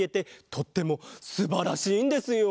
とってもすばらしいんですよ。